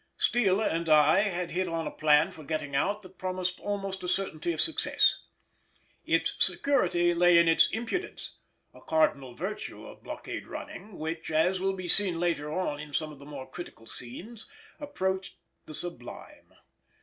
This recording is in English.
Steele and I had hit on a plan for getting out that promised almost a certainty of success. Its security lay in its impudence, a cardinal virtue of blockade running, which, as will be seen later on in some of the more critical scenes, approached the sublime.